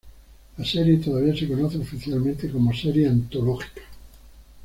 La serie todavía se conoce oficialmente como "Serie Antológica".